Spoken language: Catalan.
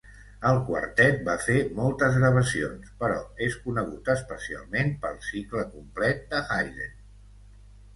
El Quartet va fer moltes gravacions, però és conegut especialment pel cicle complet de Haydn.